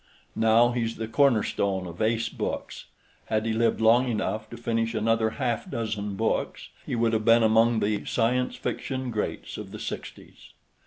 Now he's the cornerstone of Ace Books. Had he lived long enough to finish another half dozen books, he would have been among the sf greats of the sixties....